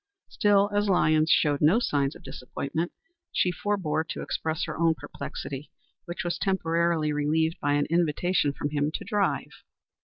Still, as Lyons showed no signs of disappointment, she forbore to express her own perplexity, which was temporarily relieved by an invitation from him to drive.